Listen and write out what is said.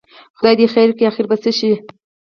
خدای دې خیر کړي، اخر به څه شي؟